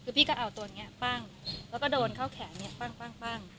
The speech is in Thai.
คือพี่ก็เอาตัวนี้ปั้งแล้วก็โดนเข้าแขนเนี่ยปั้ง